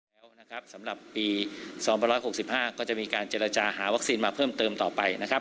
แล้วนะครับสำหรับปี๒๖๕ก็จะมีการเจรจาหาวัคซีนมาเพิ่มเติมต่อไปนะครับ